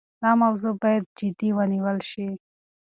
دا موضوع باید جدي ونیول شي.